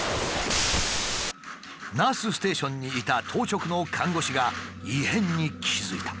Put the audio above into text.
ナースステーションにいた当直の看護師が異変に気付いた。